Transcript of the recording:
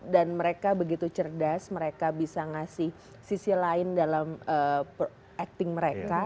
dan mereka begitu cerdas mereka bisa ngasih sisi lain dalam acting mereka